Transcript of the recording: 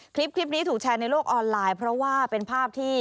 คลิปนี้ถูกแชร์ในโลกออนไลน์เพราะว่าเป็นภาพที่